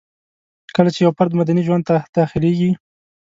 کله چي يو فرد مدني ژوند ته داخليږي